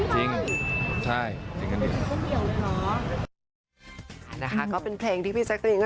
เฮ้ยจริงเหรอพี่ฟัง